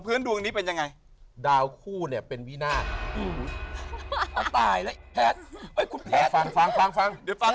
พื้นดวงนี้เป็นยังไงดาวคู่เนี่ยเป็นวินาทฟังฟังฟังฟัง